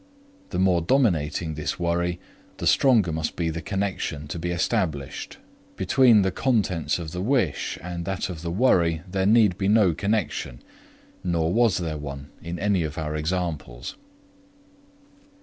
The more dominating this worry, the stronger must be the connection to be established; between the contents of the wish and that of the worry there need be no connection, nor was there one in any of our examples.